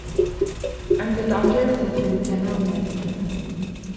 I'm the Dodger assistant general manager.